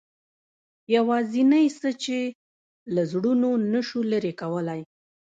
یوازینۍ څه چې له زړونو نه شو لرې کولای.